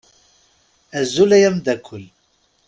Azul ay amdakel.